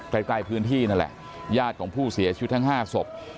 ใกล้พื้นที่นั่นแหละญาติของผู้เสียชีวิตทั้ง๕ศพ